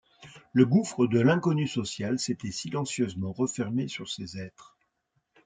Le gouffre de l’inconnu social s’était silencieusement refermé sur ces êtres.